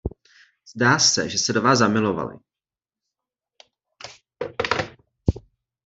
Zdá se, že se do vás zamilovali.